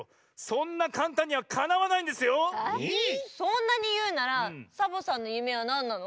そんなにいうならサボさんの夢はなんなの？